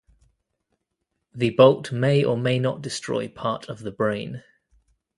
The bolt may or may not destroy part of the brain.